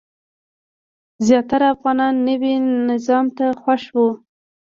زیاتره افغانان نوي نظام ته خوښ وو.